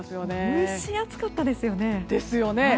蒸し暑かったですよね。